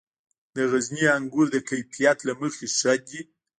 د غزني انګور د کیفیت له مخې ښه دي.